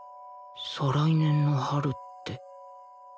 再来年の春って